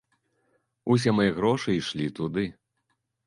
Усе мае грошы ішлі туды.